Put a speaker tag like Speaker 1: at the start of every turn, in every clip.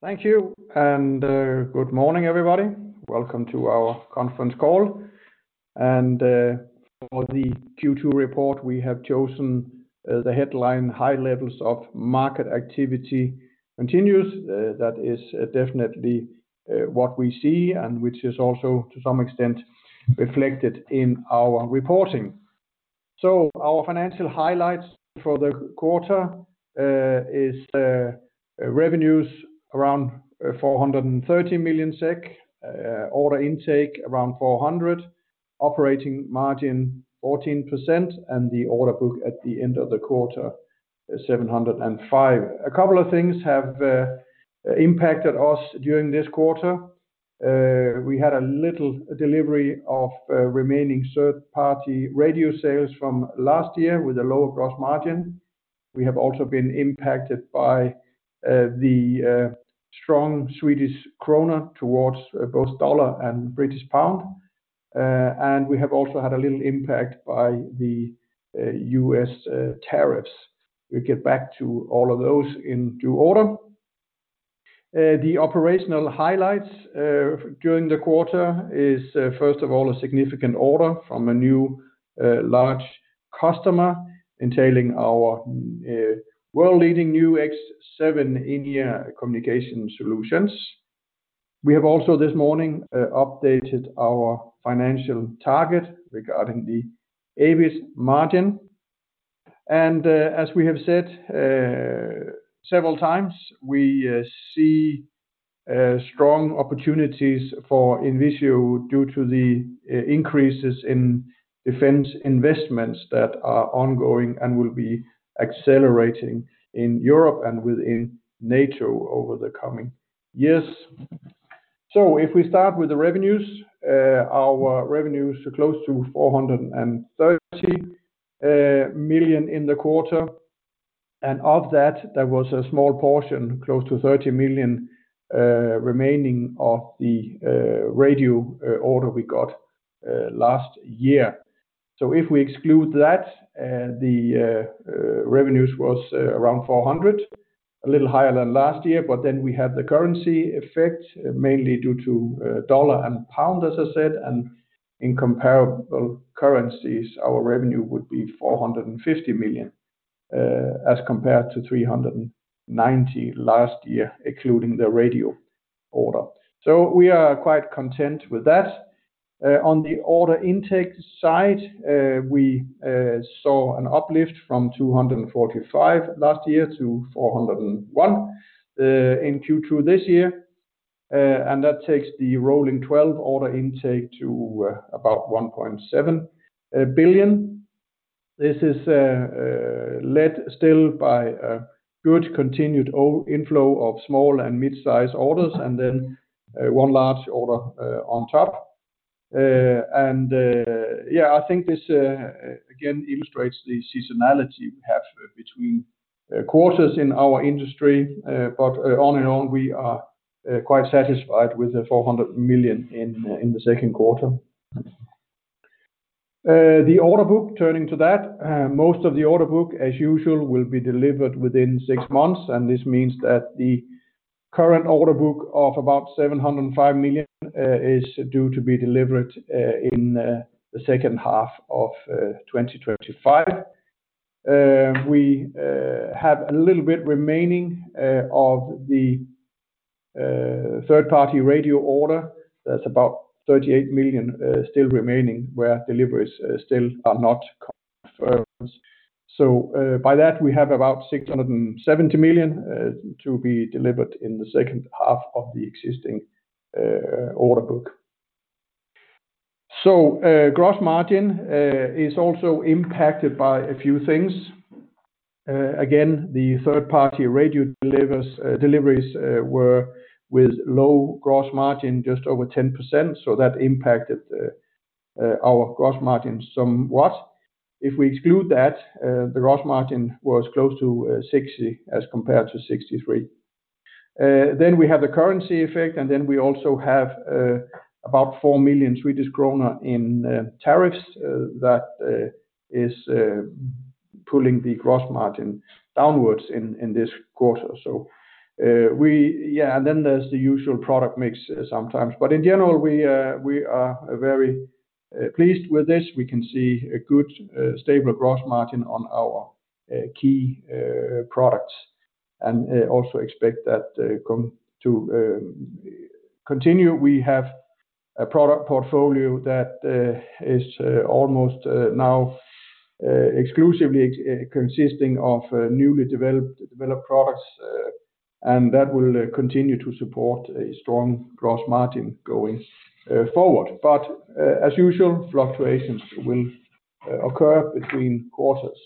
Speaker 1: Thank you, and good morning, everybody. Welcome to our conference call. For the Q2 report, we have chosen the headline "High Levels of Market Activity Continues." That is definitely what we see and which is also, to some extent, reflected in our reporting. Our financial highlights for the quarter are revenues around 430 million SEK, order intake around 400 million, operating margin 14%, and the order book at the end of the quarter is 705 million. A couple of things have impacted us during this quarter. We had a little delivery of remaining third-party radio sales from last year with a lower gross margin. We have also been impacted by the strong Swedish krona towards both the dollar and British pound. We have also had a little impact by the U.S. tariffs. We'll get back to all of those in due order. The operational highlights during the quarter are, first of all, a significant order from a new large customer entailing our world-leading new INVISIO X7 in-ear communication solutions. We have also, this morning, updated our financial target regarding the EBIT margin. As we have said several times, we see strong opportunities for INVISIO due to the increases in defense investments that are ongoing and will be accelerating in Europe and within NATO over the coming years. If we start with the revenues, our revenues are close to 430 million in the quarter. Of that, there was a small portion, close to 30 million, remaining of the radio order we got last year. If we exclude that, the revenues were around 400 million, a little higher than last year, but then we had the currency effect, mainly due to the dollar and pound, as I said. In comparable currencies, our revenue would be 450 million as compared to 390 million last year, excluding the radio order. We are quite content with that. On the order intake side, we saw an uplift from 245 million last year to 401 million in Q2 this year. That takes the rolling 12 order intake to about 1.7 billion. This is led still by a good continued inflow of small and mid-sized orders and then one large order on top. I think this, again, illustrates the seasonality we have between quarters in our industry. On and on, we are quite satisfied with the 400 million in the second quarter. The order book, turning to that, most of the order book, as usual, will be delivered within six months. This means that the current order book of about 705 million is due to be delivered in the second half of 2025. We have a little bit remaining of the third-party radio order. That's about 38 million still remaining, where deliveries still are not confirmed. By that, we have about 670 million to be delivered in the second half of the existing order book. Gross margin is also impacted by a few things. Again, the third-party radio deliveries were with low gross margin, just over 10%. That impacted our gross margin somewhat. If we exclude that, the gross margin was close to 60% as compared to 63%. We have the currency effect, and we also have about 4 million Swedish kronor in tariffs. That is pulling the gross margin downwards in this quarter. There is the usual product mix sometimes. In general, we are very pleased with this. We can see a good, stable gross margin on our key products and also expect that to continue. We have a product portfolio that is almost now exclusively consisting of newly developed products, and that will continue to support a strong gross margin going forward. As usual, fluctuations will occur between quarters.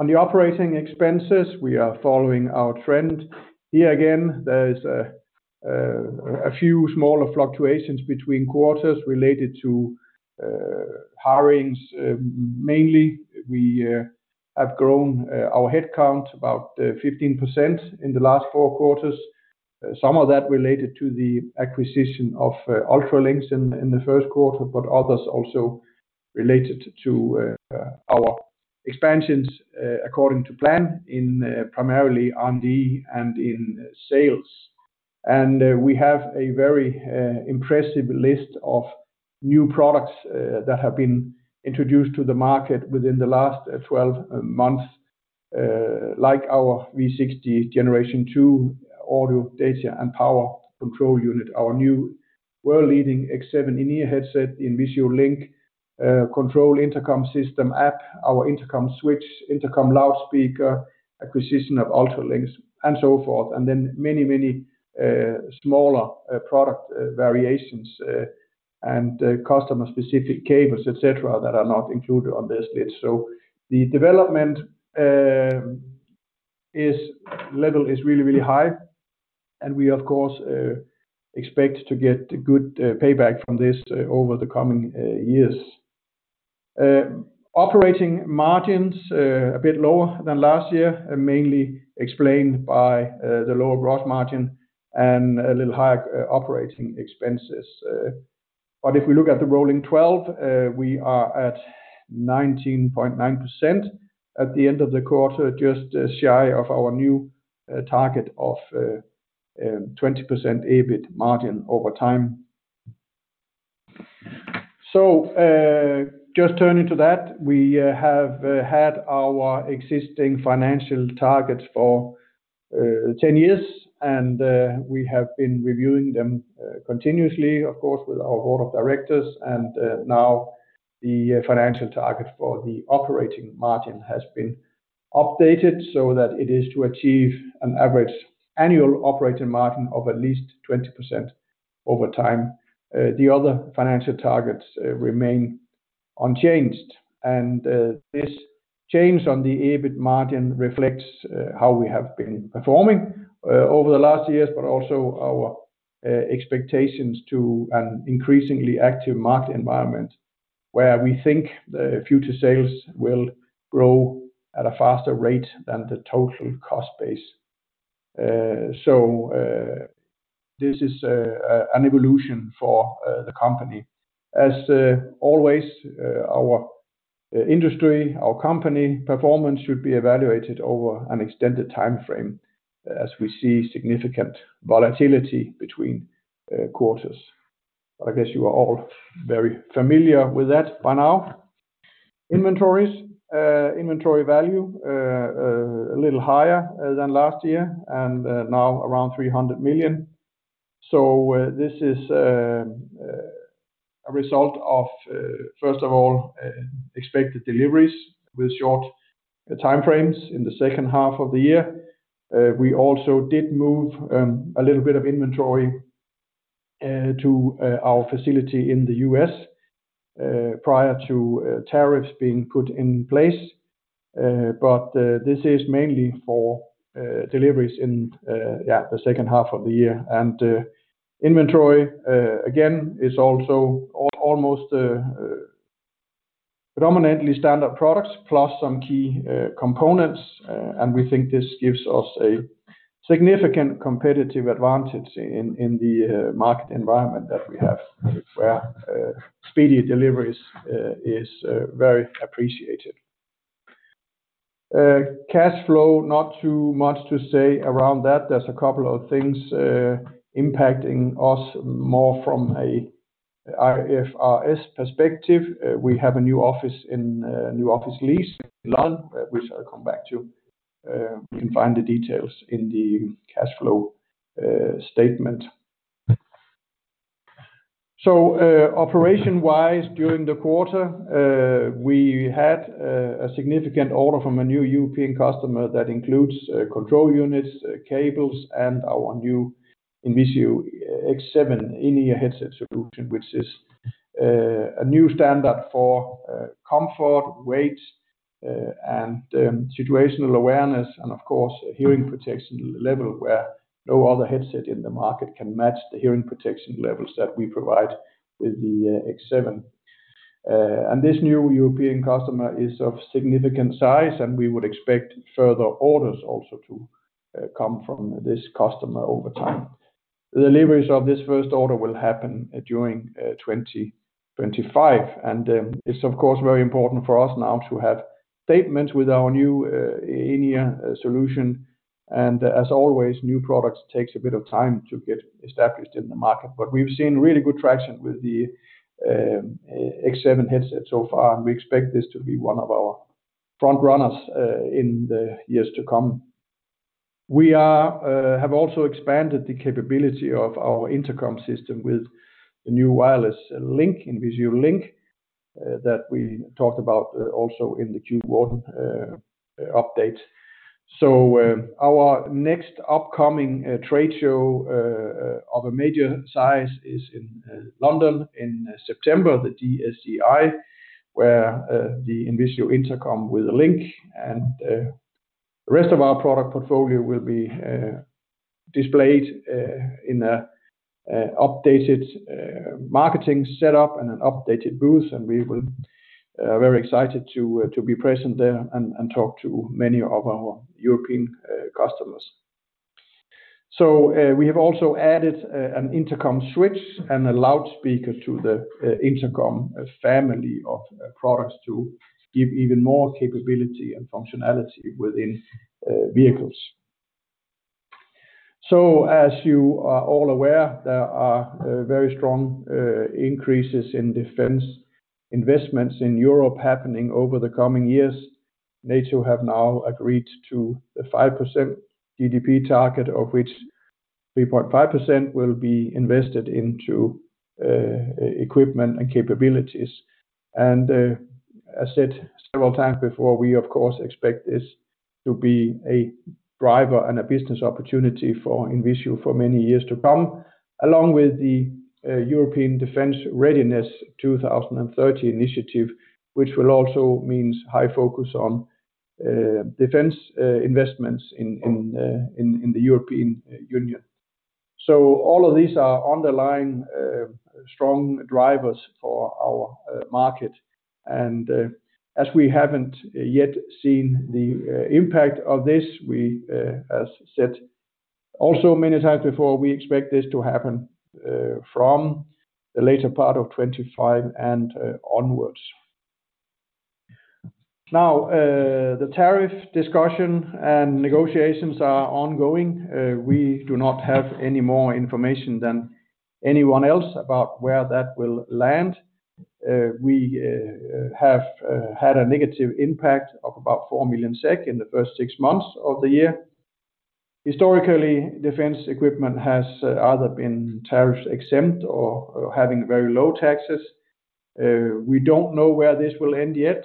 Speaker 1: On the operating expenses, we are following our trend. Here again, there are a few smaller fluctuations between quarters related to hirings, mainly. We have grown our headcount about 15% in the last four quarters. Some of that related to the acquisition of UltraLYNX in the first quarter, but others also related to our expansions according to plan in primarily R&D and in sales. We have a very impressive list of new products that have been introduced to the market within the last 12 months, like our V60 Gen II audio unit, our new world-leading X7 in-ear headset, the INVISIO Link control intercom system app, our intercom switch, intercom loudspeaker, acquisition of UltraLYNX, and so forth. There are many, many smaller product variations and customer-specific cables, etc., that are not included on this list. The development level is really, really high. We, of course, expect to get good payback from this over the coming years. Operating margins are a bit lower than last year, mainly explained by the lower gross margin and a little higher operating expenses. If we look at the rolling 12, we are at 19.9% at the end of the quarter, just shy of our new target of 20% EBIT margin over time. Turning to that, we have had our existing financial targets for 10 years, and we have been reviewing them continuously, of course, with our Board of Directors. The financial target for the operating margin has been updated so that it is to achieve an average annual operating margin of at least 20% over time. The other financial targets remain unchanged. This change on the EBIT margin reflects how we have been performing over the last years, but also our expectations to an increasingly active market environment where we think the future sales will grow at a faster rate than the total cost base. This is an evolution for the company. As always, our industry, our company performance should be evaluated over an extended timeframe as we see significant volatility between quarters. I guess you are all very familiar with that by now. Inventories, inventory value a little higher than last year and now around 300 million. This is a result of, first of all, expected deliveries with short timeframes in the second half of the year. We also did move a little bit of inventory to our facility in the U.S. prior to tariffs being put in place. This is mainly for deliveries in the second half of the year. Inventory, again, is also almost predominantly standard products plus some key components. We think this gives us a significant competitive advantage in the market environment that we have, where speedy deliveries are very appreciated. Cash flow, not too much to say around that. There are a couple of things impacting us more from an IFRS perspective. We have a new office lease in London, which I'll come back to. You can find the details in the cash flow statement. Operation-wise, during the quarter, we had a significant order from a new European customer that includes control units, cables, and our new INVISIO X7 in-ear headset solution, which is a new standard for comfort, weight, and situational awareness, and of course, hearing protection level, where no other headset in the market can match the hearing protection levels that we provide with the X7. This new European customer is of significant size, and we would expect further orders also to come from this customer over time. The deliveries of this first order will happen during 2025. It is, of course, very important for us now to have statements with our new in-ear solution. As always, new products take a bit of time to get established in the market. We've seen really good traction with the X7 headset so far, and we expect this to be one of our front runners in the years to come. We have also expanded the capability of our intercom system with the new wireless link, INVISIO Link, that we talked about also in the Q1 update. Our next upcoming trade show of a major size is in London in September, the DSDI, where the INVISIO intercom with the link and the rest of our product portfolio will be displayed in an updated marketing setup and an updated booth. We are very excited to be present there and talk to many of our European customers. We have also added an intercom switch and a loudspeaker to the intercom family of products to give even more capability and functionality within vehicles. As you are all aware, there are very strong increases in defense investments in Europe happening over the coming years. NATO has now agreed to the 5% GDP target, of which 3.5% will be invested into equipment and capabilities. As said several times before, we, of course, expect this to be a driver and a business opportunity for INVISIO for many years to come, along with the European Defence Readiness 2030 initiative, which will also mean a high focus on defense investments in the European Union. All of these are underlying strong drivers for our market. As we haven't yet seen the impact of this, as said also many times before, we expect this to happen from the later part of 2025 and onwards. The tariff discussion and negotiations are ongoing. We do not have any more information than anyone else about where that will land. We have had a negative impact of about 4 million SEK in the first six months of the year. Historically, defense equipment has either been tariff-exempt or having very low taxes. We don't know where this will end yet,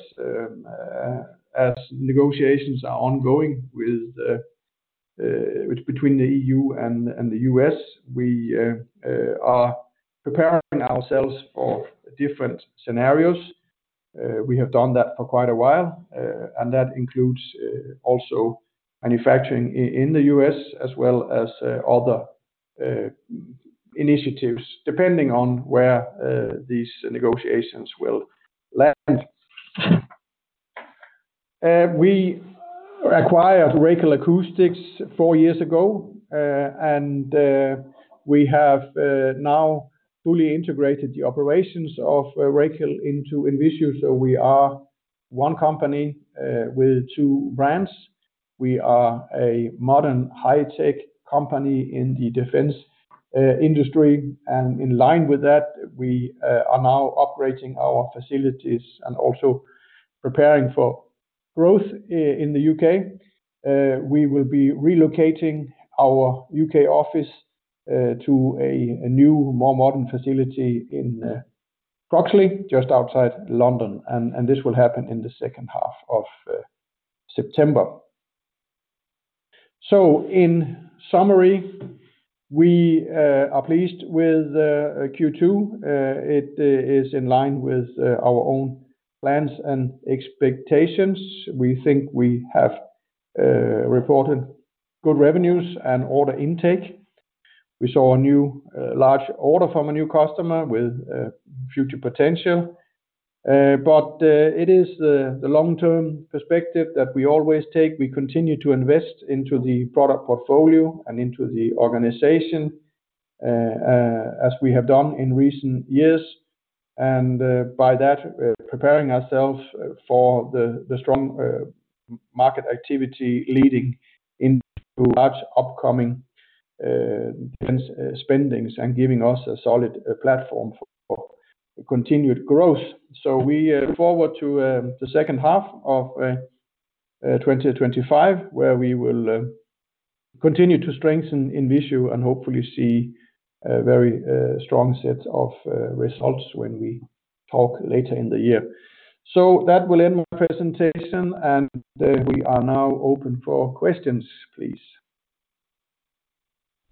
Speaker 1: as negotiations are ongoing between the EU and the U.S. We are preparing ourselves for different scenarios. We have done that for quite a while. That includes also manufacturing in the U.S., as well as other initiatives, depending on where these negotiations will land. We acquired Racal Acoustics four years ago. We have now fully integrated the operations of Racal into INVISIO. We are one company with two brands. We are a modern high-tech company in the defense industry. In line with that, we are now upgrading our facilities and also preparing for growth in the U.K. We will be relocating our U.K. office to a new, more modern facility in Croxley, just outside London. This will happen in the second half of September. In summary, we are pleased with Q2. It is in line with our own plans and expectations. We think we have reported good revenues and order intake. We saw a new large order from a new customer with future potential. It is the long-term perspective that we always take. We continue to invest into the product portfolio and into the organization, as we have done in recent years. By that, we're preparing ourselves for the strong market activity leading into large upcoming spendings and giving us a solid platform for continued growth. We look forward to the second half of 2025, where we will continue to strengthen INVISIO and hopefully see a very strong set of results when we talk later in the year. That will end my presentation. We are now open for questions, please.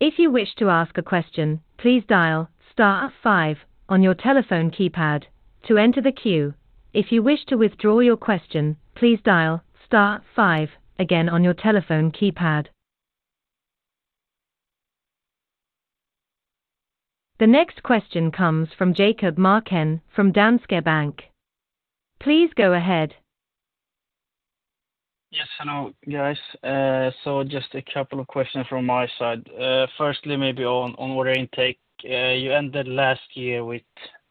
Speaker 2: If you wish to ask a question, please dial star five on your telephone keypad to enter the queue. If you wish to withdraw your question, please dial star five again on your telephone keypad. The next question comes from Jakob Marken from Danske Bank. Please go ahead.
Speaker 3: Yes, hello, guys. Just a couple of questions from my side. Firstly, maybe on order intake. You ended last year with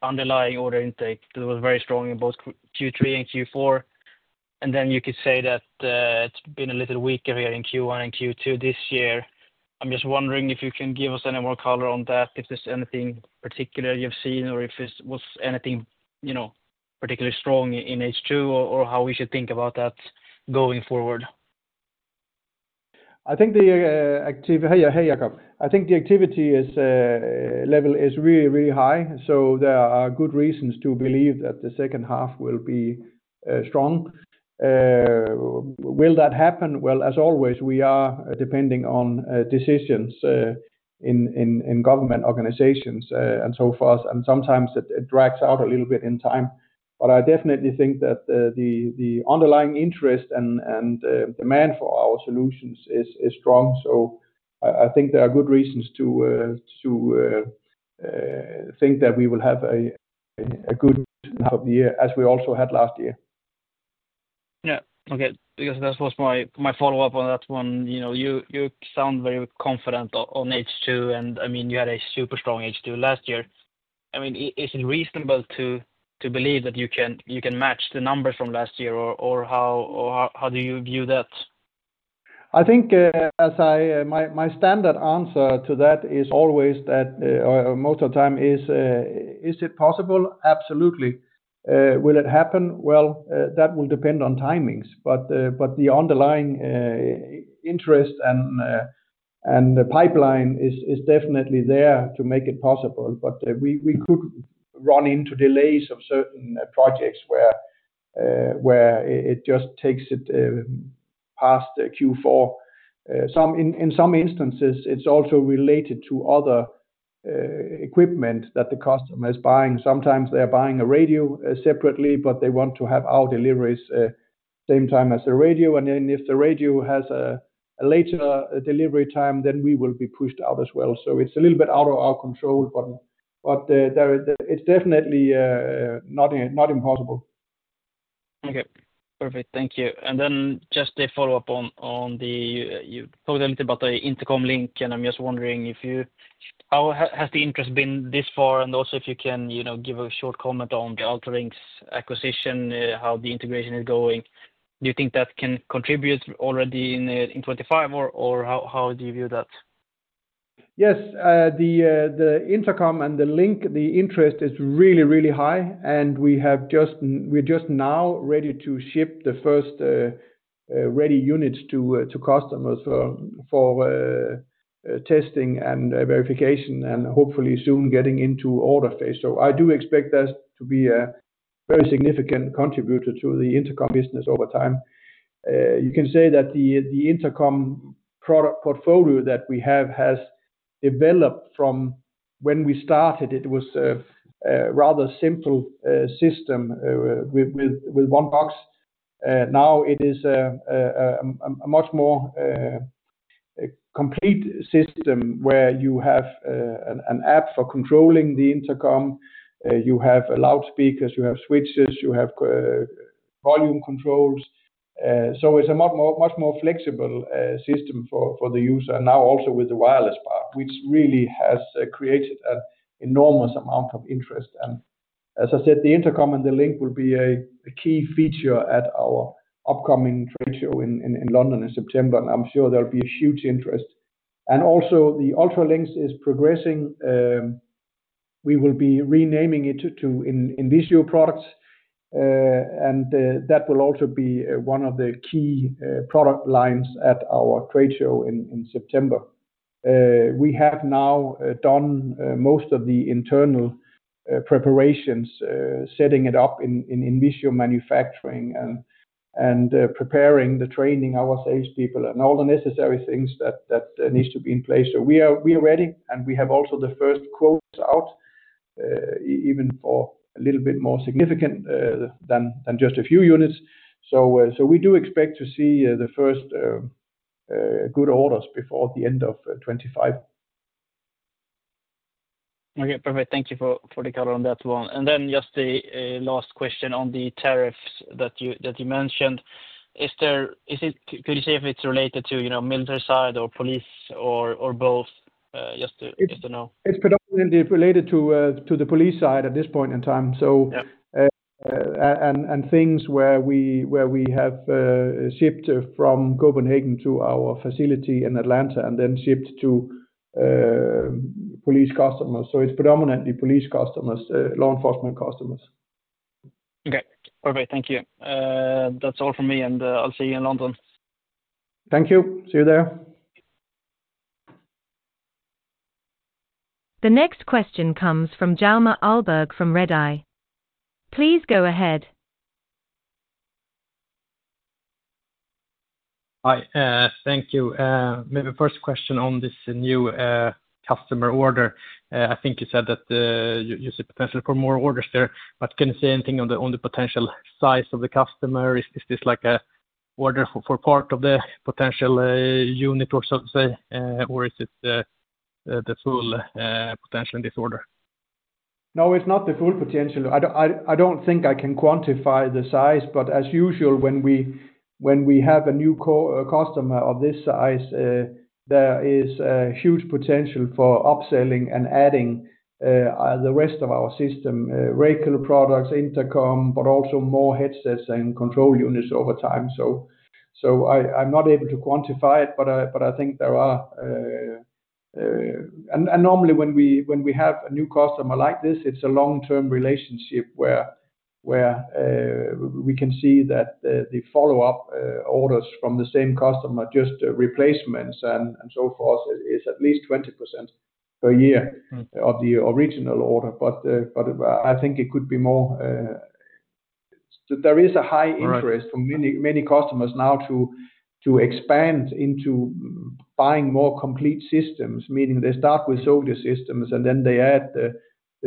Speaker 3: underlying order intake that was very strong in both Q3 and Q4. You could say that it's been a little weaker here in Q1 and Q2 this year. I'm just wondering if you can give us any more color on that, if there's anything particular you've seen or if it was anything particularly strong in H2 or how we should think about that going forward.
Speaker 1: I think the activity level is really, really high. There are good reasons to believe that the second half will be strong. Will that happen? As always, we are depending on decisions in government organizations and so forth. Sometimes it drags out a little bit in time. I definitely think that the underlying interest and demand for our solutions is strong. I think there are good reasons to think that we will have a good half of the year, as we also had last year.
Speaker 3: Okay. I guess that was my follow-up on that one. You know, you sound very confident on H2. I mean, you had a super strong H2 last year. Is it reasonable to believe that you can match the numbers from last year? How do you view that?
Speaker 1: I think my standard answer to that is always that, or most of the time, is it possible? Absolutely. Will it happen? That will depend on timings. The underlying interest and pipeline is definitely there to make it possible. We could run into delays of certain projects where it just takes it past Q4. In some instances, it's also related to other equipment that the customer is buying. Sometimes they are buying a radio separately, but they want to have our deliveries at the same time as the radio. If the radio has a later delivery time, then we will be pushed out as well. It's a little bit out of our control. It's definitely not impossible.
Speaker 3: Okay, perfect. Thank you. Just a follow-up on the intercom link. I'm just wondering if you... How has the interest been this far? Also, if you can give a short comment on the UltraLYNX acquisition, how the integration is going. Do you think that can contribute already in 2025? How do you view that?
Speaker 1: Yes, the intercom and the Link, the interest is really, really high. We are just now ready to ship the first ready units to customers for testing and verification and hopefully soon getting into order phase. I do expect that to be a very significant contributor to the intercom business over time. You can say that the intercom product portfolio that we have has developed from when we started. It was a rather simple system with one box. Now it is a much more complete system where you have an app for controlling the intercom. You have loudspeakers, you have switches, you have volume controls. It's a much more flexible system for the user. Now also with the wireless part, which really has created an enormous amount of interest. As I said, the intercom and the Link will be a key feature at our upcoming trade show in London in September. I'm sure there will be huge interest. Also the UltraLYNX is progressing. We will be renaming it to INVISIO products. That will also be one of the key product lines at our trade show in September. We have now done most of the internal preparations, setting it up in INVISIO manufacturing and preparing the training, our salespeople, and all the necessary things that need to be in place. We are ready. We have also the first quotes out, even for a little bit more significant than just a few units. We do expect to see the first good orders before the end of 2025.
Speaker 3: Okay, perfect. Thank you for the color on that one. Just the last question on the tariffs that you mentioned. Could you say if it's related to the military side or police or both? Just to know.
Speaker 1: It's predominantly related to the police side at this point in time, things where we have shipped from Copenhagen to our facility in Atlanta and then shipped to police customers. It's predominantly police customers, law enforcement customers.
Speaker 3: Okay, perfect. Thank you. That's all from me. I'll see you in London.
Speaker 1: Thank you. See you there.
Speaker 2: The next question comes from Hjalmar Ahlberg from Redeye. Please go ahead.
Speaker 4: Hi, thank you. Maybe first question on this new customer order. I think you said that you see potential for more orders there. Can you say anything on the potential size of the customer? Is this like an order for part of the potential unit, or is it the full potential in this order?
Speaker 1: No, it's not the full potential. I don't think I can quantify the size. As usual, when we have a new customer of this size, there is a huge potential for upselling and adding the rest of our system, Racal Acoustics products, intercom, but also more headsets and control units over time. I'm not able to quantify it, but I think there are. Normally, when we have a new customer like this, it's a long-term relationship where we can see that the follow-up orders from the same customer, just replacements and so forth, is at least 20% per year of the original order. I think it could be more. There is a high interest from many customers now to expand into buying more complete systems, meaning they start with soldier systems and then they add the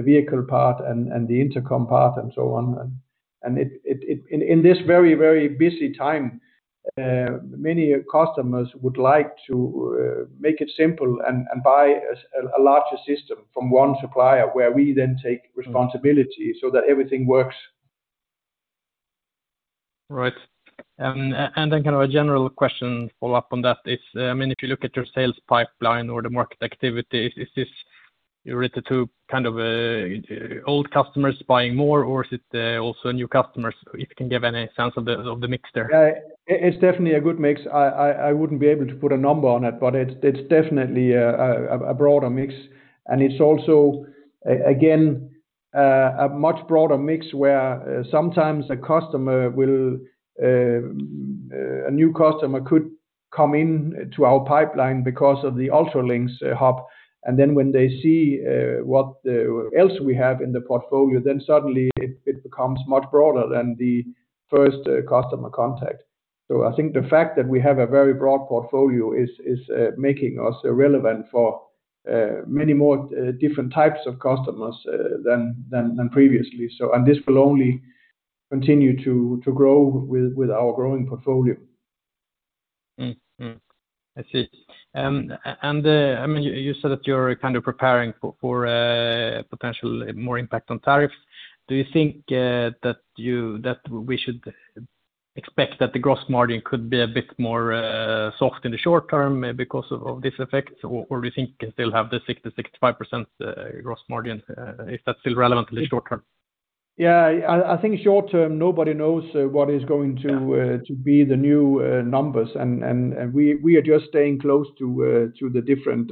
Speaker 1: vehicle part and the intercom part and so on. In this very, very busy time, many customers would like to make it simple and buy a larger system from one supplier, where we then take responsibility so that everything works.
Speaker 4: Right. A general question to follow up on that. If you look at your sales pipeline or the market activity, is this related to old customers buying more or is it also new customers? If you can give any sense of the mixture.
Speaker 1: Yeah, it's definitely a good mix. I wouldn't be able to put a number on it, but it's definitely a broader mix. It's also, again, a much broader mix where sometimes a customer will, a new customer could come into our pipeline because of the UltraLYNX hub. When they see what else we have in the portfolio, then suddenly it becomes much broader than the first customer contact. I think the fact that we have a very broad portfolio is making us relevant for many more different types of customers than previously. This will only continue to grow with our growing portfolio.
Speaker 4: I see. You said that you're kind of preparing for potential more impact on tariffs. Do you think that we should expect that the gross margin could be a bit more soft in the short term because of this effect? Do you think you still have the 60%-65% gross margin? Is that still relevant in the short term?
Speaker 1: I think short term, nobody knows what is going to be the new numbers. We are just staying close to the different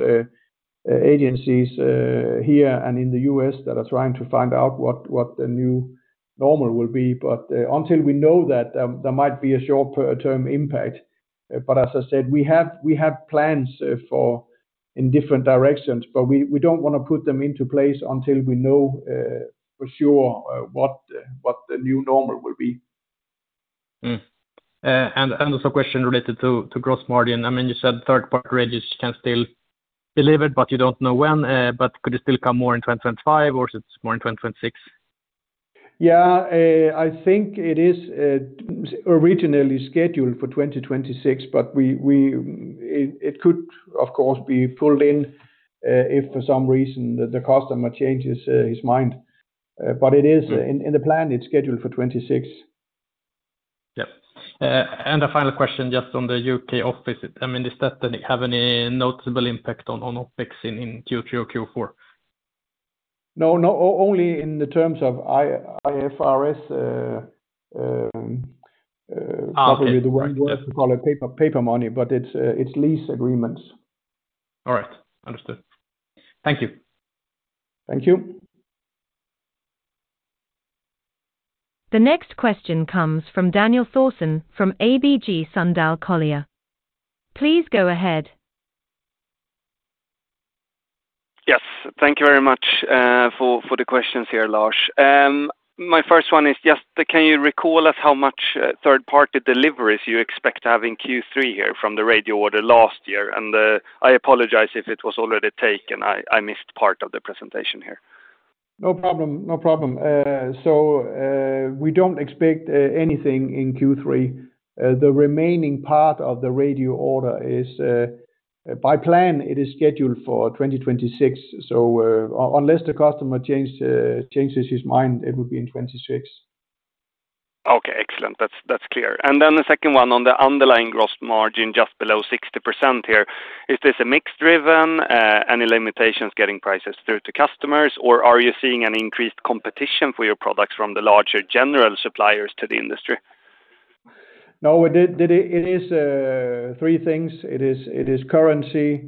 Speaker 1: agencies here and in the U.S. that are trying to find out what the new normal will be. Until we know that, there might be a short-term impact. As I said, we have plans in different directions. We don't want to put them into place until we know for sure what the new normal will be.
Speaker 4: I have a question related to gross margin. You said third-party radios can still deliver, but you don't know when. Could it still come more in 2025, or is it more in 2026?
Speaker 1: I think it is originally scheduled for 2026. It could, of course, be pulled in if for some reason the customer changes his mind. It is in the plan, it's scheduled for 2026.
Speaker 4: Yep. A final question just on the U.K. office. Does that have any noticeable impact on off-basing in Q3 or Q4?
Speaker 1: No, only in the terms of IFRS, probably the one worth of paper money, but it's lease agreements.
Speaker 4: All right, understood. Thank you.
Speaker 1: Thank you.
Speaker 2: The next question comes from Daniel Thorsson from ABG Sundal Collier. Please go ahead.
Speaker 5: Yes, thank you very much for the questions here, Lars. My first one is just, can you recall us how much third-party deliveries you expect to have in Q3 here from the radio order last year? I apologize if it was already taken. I missed part of the presentation here.
Speaker 1: No problem, no problem. We don't expect anything in Q3. The remaining part of the radio order is, by plan, scheduled for 2026. Unless the customer changes his mind, it would be in 2026.
Speaker 5: Okay, excellent. That's clear. The second one on the underlying gross margin just below 60% here, is this mix driven? Any limitations getting prices through to customers? Are you seeing increased competition for your products from the larger general suppliers to the industry?
Speaker 1: No, it is three things. It is currency,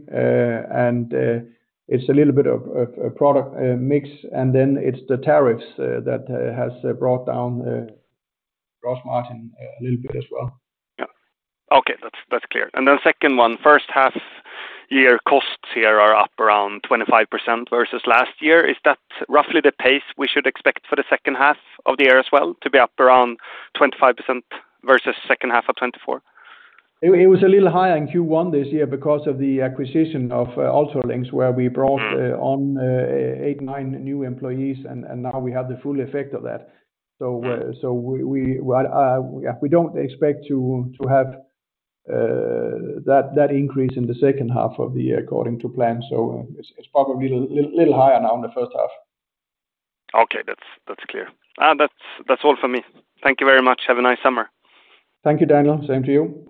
Speaker 1: it's a little bit of a product mix, and it's the tariffs that have brought down gross margin a little bit as well.
Speaker 5: Okay, that's clear. The second one, first half year costs here are up around 25% versus last year. Is that roughly the pace we should expect for the second half of the year as well, to be up around 25% versus the second half of 2024?
Speaker 1: It was a little higher in Q1 this year because of the acquisition of UltraLYNX, where we brought on eight, nine new employees. We have the full effect of that now. We don't expect to have that increase in the second half of the year according to plan. It's probably a little higher now in the first half.
Speaker 3: Okay, that's clear. That's all for me. Thank you very much. Have a nice summer.
Speaker 1: Thank you, Daniel. Same to you.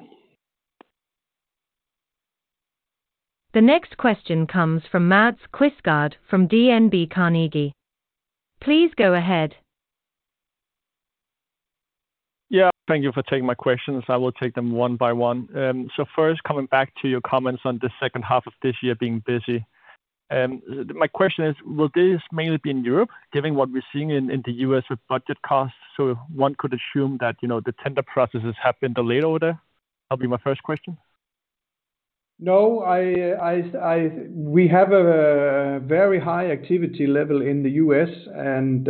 Speaker 2: The next question comes from Mads Quistgaard from DNB Carnegie. Please go ahead.
Speaker 6: Yeah. Thank you for taking my questions. I will take them one by one. First, coming back to your comments on the second half of this year being busy, my question is, will this mainly be in Europe, given what we're seeing in the U.S. with budget costs? One could assume that the tender processes have been delayed over there. That'll be my first question.
Speaker 1: No, we have a very high activity level in the U.S., and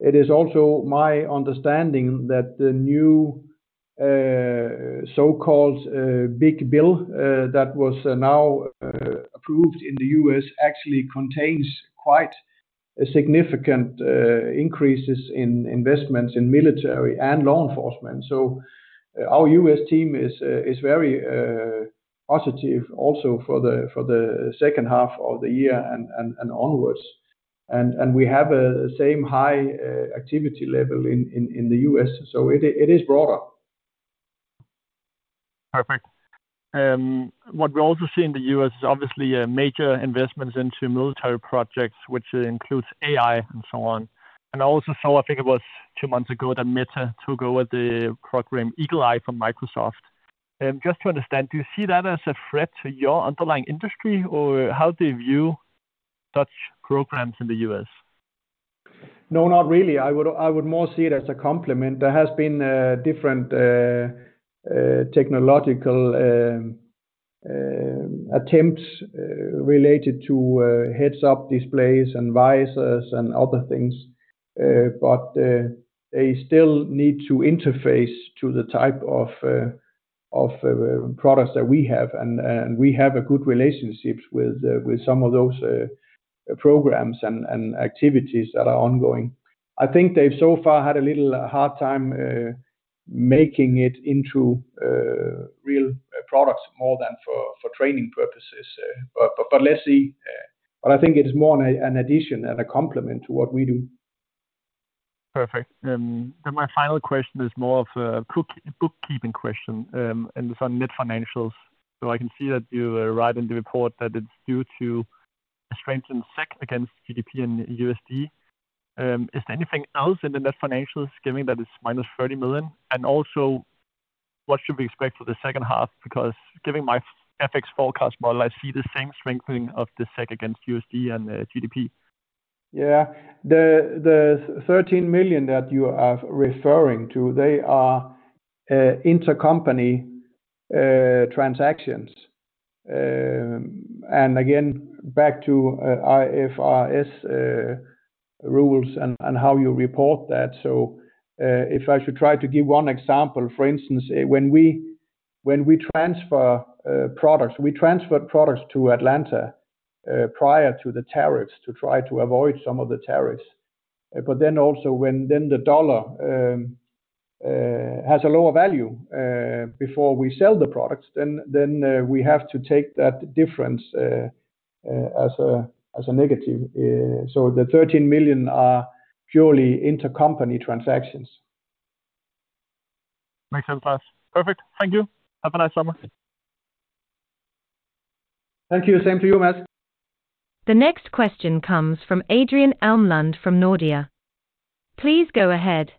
Speaker 1: it is also my understanding that the new so-called big bill that was now approved in the U.S. actually contains quite significant increases in investments in military and law enforcement. Our U.S. team is very positive also for the second half of the year and onwards, and we have the same high activity level in the U.S. It is broader.
Speaker 6: Perfect. What we also see in the U.S. is obviously major investments into military projects, which includes AI and so on. I think it was two months ago that Meta took over the program Eagle Eye from Microsoft. Just to understand, do you see that as a threat to your underlying industry or how do you view such programs in the U.S.?
Speaker 1: No, not really. I would more see it as a complement. There have been different technological attempts related to heads-up displays and visors and other things. They still need to interface to the type of products that we have. We have good relationships with some of those programs and activities that are ongoing. I think they've so far had a little hard time making it into real products more than for training purposes. Let's see. I think it is more an addition and a complement to what we do.
Speaker 6: Perfect. My final question is more of a bookkeeping question and it's on net financials. I can see that you write in the report that it's due to a strengthened SEK against GBP and USD. Is there anything else in the net financials giving that is -30 million? What should we expect for the second half? Because given my FX forecast model, I see the same strengthening of the SEK against USD and GBP.
Speaker 1: Yeah, the 13 million that you are referring to, they are intercompany transactions. Again, back to IFRS rules and how you report that. If I should try to give one example, for instance, when we transfer products, we transferred products to Atlanta prior to the tariffs to try to avoid some of the tariffs. Also, when the dollar has a lower value before we sell the products, then we have to take that difference as a negative. The 13 million are purely intercompany transactions.
Speaker 6: Makes sense, Mads. Perfect. Thank you. Have a nice summer.
Speaker 1: Thank you. Same to you, Mads.
Speaker 2: The next question comes from Adrian Elmlund from Nordea. Please go ahead.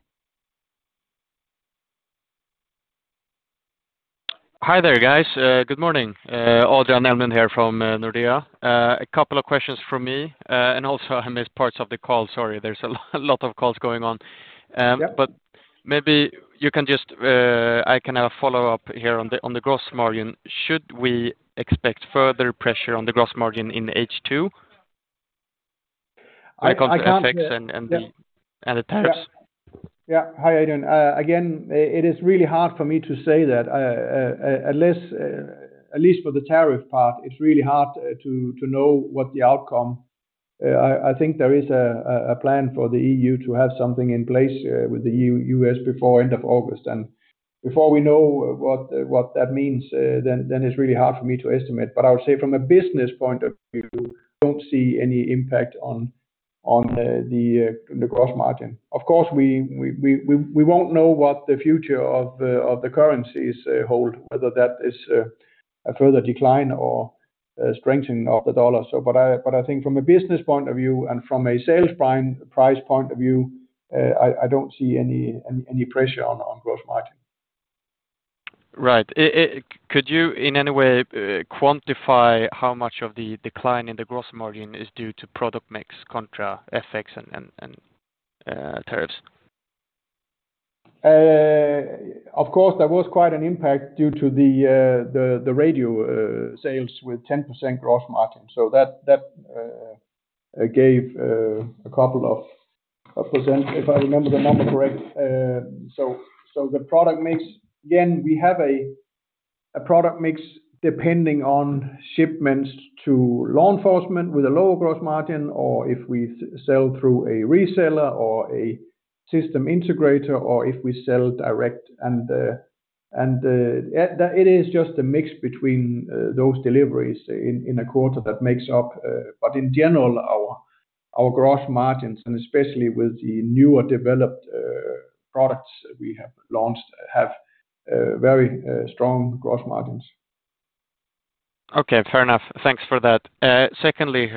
Speaker 7: Hi there, guys. Good morning. Adrian here from Nordia. A couple of questions from me. I missed parts of the call. Sorry, there's a lot of calls going on. Maybe you can just, I can have a follow-up here on the gross margin. Should we expect further pressure on the gross margin in H2?
Speaker 1: I can't.
Speaker 7: The tariffs?
Speaker 1: Yeah. Hi, Adrian. Again, it is really hard for me to say that. At least for the tariff part, it's really hard to know what the outcome is. I think there is a plan for the EU to have something in place with the U.S. before the end of August. Before we know what that means, it's really hard for me to estimate. I would say from a business point of view, I don't see any impact on the gross margin. Of course, we won't know what the future of the currencies hold, whether that is a further decline or strengthening of the dollar. I think from a business point of view and from a sales price point of view, I don't see any pressure on gross margin.
Speaker 7: Right. Could you in any way quantify how much of the decline in the gross margin is due to product mix versus FX and tariffs?
Speaker 1: Of course, there was quite an impact due to the radio sales with 10% gross margin. That gave a couple of percent, if I remember the number correct. The product mix, again, we have a product mix depending on shipments to law enforcement with a lower gross margin or if we sell through a reseller or a system integrator or if we sell direct. It is just a mix between those deliveries in a quarter that makes up. In general, our gross margins, and especially with the newer developed products we have launched, have very strong gross margins.
Speaker 7: Okay, fair enough. Thanks for that. Secondly,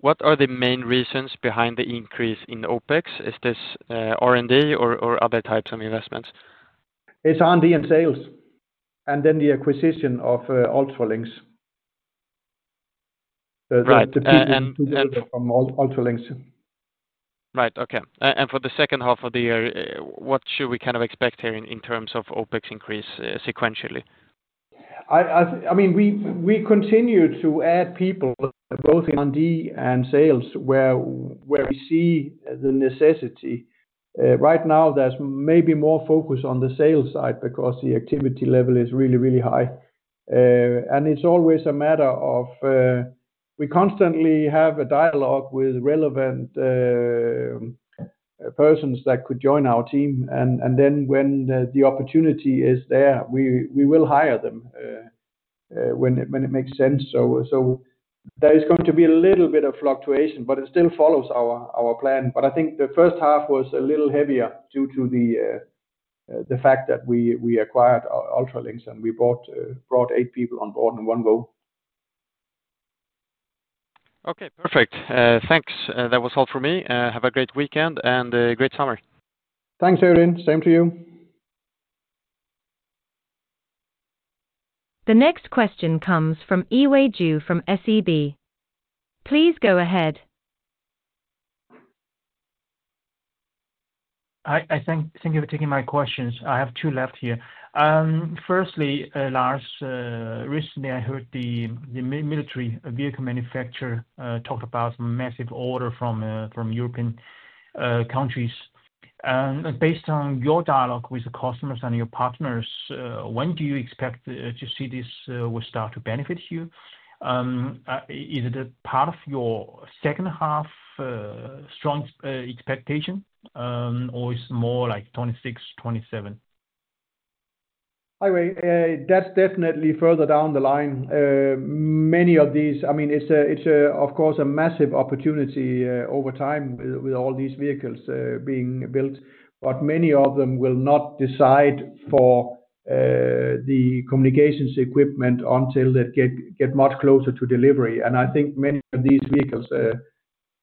Speaker 7: what are the main reasons behind the increase in OpEx? Is this R&D or other types of investments?
Speaker 1: It's R&D and sales, and then the acquisition of UltraLYNX.
Speaker 7: Right.
Speaker 1: The people who render from UltraLYNX.
Speaker 7: Right, okay. For the second half of the year, what should we kind of expect here in terms of OpEx increase sequentially?
Speaker 1: I mean, we continue to add people both in R&D and sales where we see the necessity. Right now, there's maybe more focus on the sales side because the activity level is really, really high. It's always a matter of we constantly have a dialogue with relevant persons that could join our team. When the opportunity is there, we will hire them when it makes sense. There is going to be a little bit of fluctuation, but it still follows our plan. I think the first half was a little heavier due to the fact that we acquired UltraLYNX and we brought eight people on board in one go.
Speaker 7: Okay, perfect. Thanks. That was all for me. Have a great weekend and a great summer.
Speaker 1: Thanks, Adrian. Same to you.
Speaker 2: The next question comes from Yiwei Zhou from SEB. Please go ahead.
Speaker 8: I think you've taken my questions. I have two left here. Firstly, Lars, recently I heard the military vehicle manufacturer talked about a massive order from European countries. Based on your dialogue with the customers and your partners, when do you expect to see this will start to benefit you? Is it a part of your second half strong expectation or is it more like 2026, 2027?
Speaker 1: Anyway, that's definitely further down the line. Many of these, I mean, it's of course a massive opportunity over time with all these vehicles being built. Many of them will not decide for the communications equipment until they get much closer to delivery. I think many of these vehicles,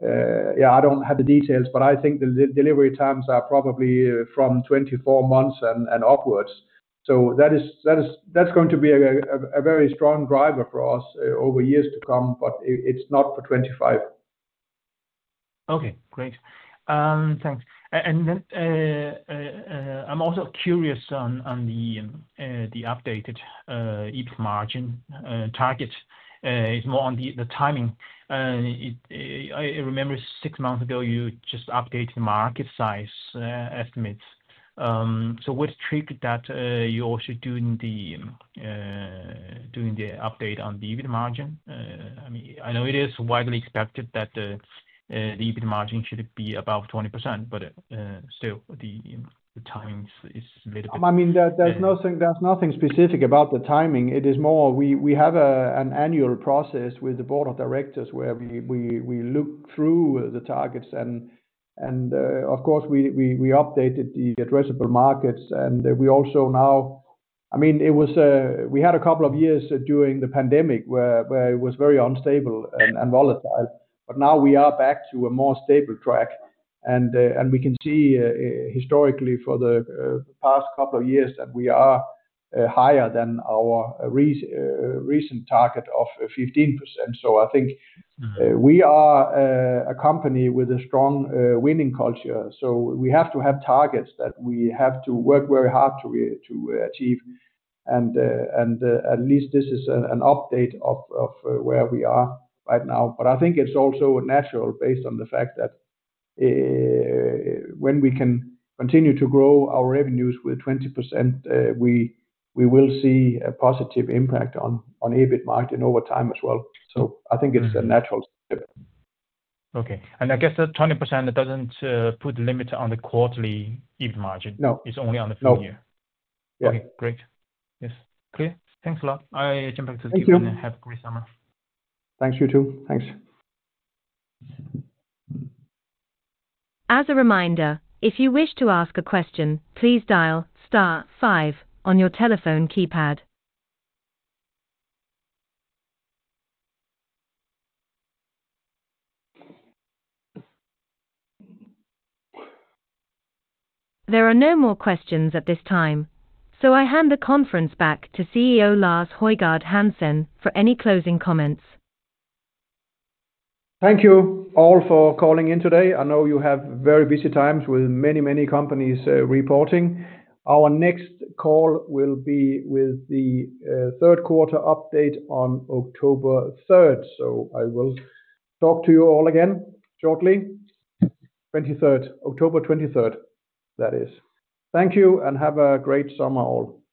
Speaker 1: yeah, I don't have the details, but I think the delivery times are probably from 24 months and upwards. That's going to be a very strong driver for us over years to come, but it's not for 2025.
Speaker 8: Okay, great. Thanks. I'm also curious on the updated EBIT margin target. It's more on the timing. I remember six months ago you just updated the market size estimates. What triggered that you also doing the update on the EBIT margin? I mean, I know it is widely expected that the EBIT margin should be above 20%, but still the timing is a little bit.
Speaker 1: I mean, there's nothing specific about the timing. It is more we have an annual process with the Board of Directors where we look through the targets. Of course, we updated the addressable markets. We also now, I mean, we had a couple of years during the pandemic where it was very unstable and volatile. Now we are back to a more stable track, and we can see historically for the past couple of years that we are higher than our recent target of 15%. I think we are a company with a strong winning culture, so we have to have targets that we have to work very hard to achieve. At least this is an update of where we are right now. I think it's also natural based on the fact that when we can continue to grow our revenues with 20%, we will see a positive impact on EBIT margin over time as well. I think it's a natural step.
Speaker 8: Okay. I guess that 20% doesn't put a limit on the quarterly EBIT margin.
Speaker 1: No, it's only on the full year.
Speaker 8: Okay, great. Yes, clear. Thanks a lot. I jump back to the Q and have a great summer.
Speaker 1: Thanks, you too. Thanks.
Speaker 2: As a reminder, if you wish to ask a question, please dial star five on your telephone keypad. There are no more questions at this time. I hand the conference back to CEO Lars Højgård Hansen for any closing comments.
Speaker 1: Thank you all for calling in today. I know you have very busy times with many, many companies reporting. Our next call will be with the third quarter update on October 23rd. Thank you and have a great summer all.